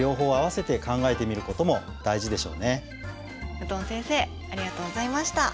武藤先生ありがとうございました。